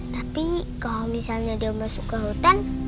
tapi kalau misalnya dia masuk ke hutan